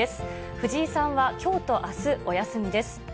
藤井さんは、きょうとあす、お休みです。